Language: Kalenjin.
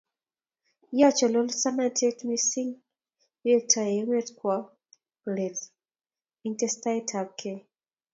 Ya chelososnatet mising amu iwektoi emet kwo let eg tesetaet ab kei